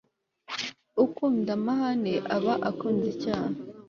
ukunda amahane aba akunze icyaha